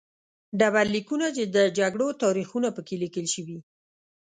ډبرلیکونه چې د جګړو تاریخونه په کې لیکل شوي